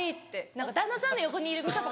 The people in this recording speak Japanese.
何か旦那さんの横にいるみちょぱ